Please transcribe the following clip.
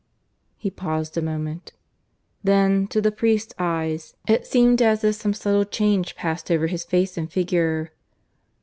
He paused a moment. Then, to the priest's eyes, it seemed as if some subtle change passed over his face and figure.